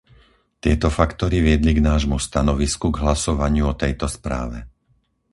Tieto faktory viedli k nášmu stanovisku k hlasovaniu o tejto správe.